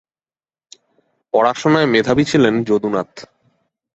পড়াশোনায় মেধাবী ছিলেন যদুনাথ।